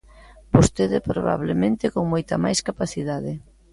Vostede probablemente con moita máis capacidade.